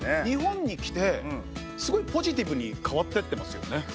日本に来てすごいポジティブに変わってってますよね。